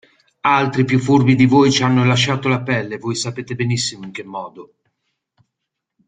Altri più furbi di voi ci hanno lasciato la pelle e voi sapete benissimo in che modo.